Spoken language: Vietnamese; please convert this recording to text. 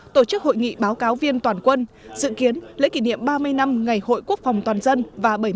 tổ chức hội nghị báo cáo viên toàn quân dự kiến lễ kỷ niệm ba mươi năm ngày hội quốc phòng toàn dân và bảy mươi